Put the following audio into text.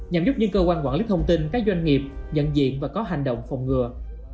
nhằm giúp những cơ quan quản lý thông tin các doanh nghiệp nhận diện và có hành động phòng ngừa